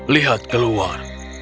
lihat ke luar